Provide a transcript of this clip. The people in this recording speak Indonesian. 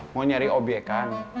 mau nyari objek kan